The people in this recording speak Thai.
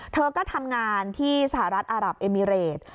เธอก็ทำงานที่สหรัฐอารับเอมิเรต